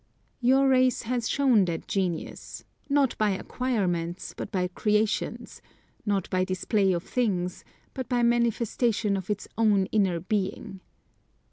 Your race has shown that genius, not by acquirements, but by creations; not by display of things, but by manifestation of its own inner being.